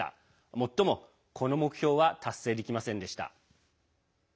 もっとも、この目標は達成できませんでした。